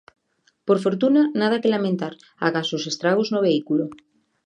Por fortuna, nada que lamentar, agás os estragos no vehículo.